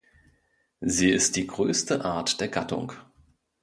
Sie ist die größte Art der Gattung.